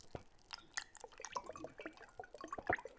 El edificio es de estilo neoclásico.